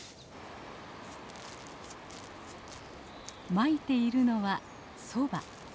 まいているのはソバ。